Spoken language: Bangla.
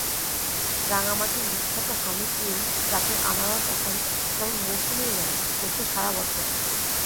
রাঙামাটির বিখ্যাত হানিকুইন জাতের আনারস এখন কেবল মৌসুমেই নয়, ফলছে সারা বছর।